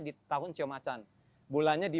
di tahun siomacan bulannya di